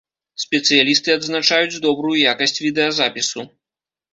Спецыялісты адзначаюць добрую якасць відэазапісу.